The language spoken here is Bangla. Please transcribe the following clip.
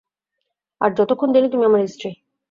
আর যতক্ষণ দেইনি তুমি আমার স্ত্রী।